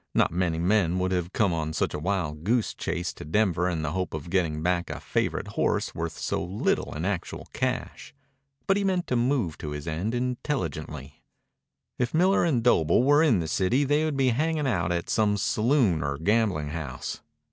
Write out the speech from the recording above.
Not many men would have come on such a wild goose chase to Denver in the hope of getting back a favorite horse worth so little in actual cash. But he meant to move to his end intelligently. If Miller and Doble were in the city they would be hanging out at some saloon or gambling house.